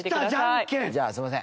じゃあすみません。